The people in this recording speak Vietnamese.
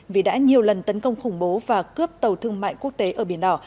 vì đã nhiều lần tấn công khủng bố và cướp tàu thương mại quốc tế ở biển đỏ